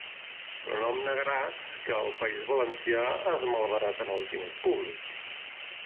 Però no em negaràs que al País Valencià es malbaraten els diners públics.